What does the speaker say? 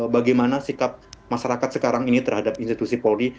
bagaimana sikap masyarakat sekarang ini terhadap institusi polri